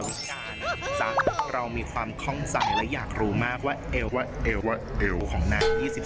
วันนี้ก็เลยมาครับ